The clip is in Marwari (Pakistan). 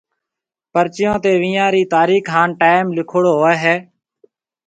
پرچيون تيَ وينيان رِي تاريخ ھان ٽيئم لکوڙو ھوئيَ ھيََََ